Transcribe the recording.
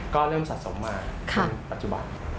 ก็เริ่มสะสมมาเป็นปัจจุบัน